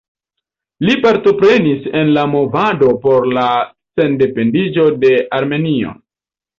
Li partoprenis en la movado por la sendependiĝo de Armenio.